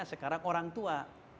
sekarang orang tua